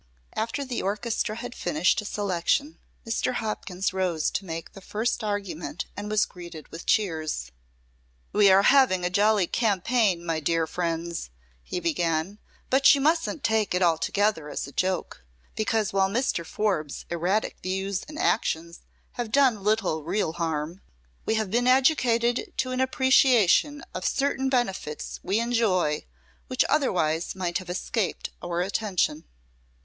After the orchestra had finished a selection, Mr. Hopkins rose to make the first argument and was greeted with cheers. "We are having a jolly campaign, my dear friends," he began; "but you musn't take it altogether as a joke; because, while Mr. Forbes's erratic views and actions have done little real harm, we have been educated to an appreciation of certain benefits we enjoy which otherwise might have escaped our attention.